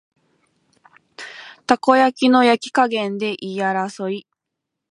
たこ焼きの焼き加減で言い争い